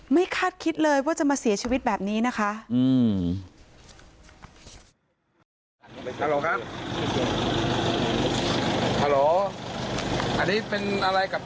คาดคิดเลยว่าจะมาเสียชีวิตแบบนี้นะคะ